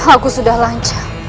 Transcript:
aku sudah lancar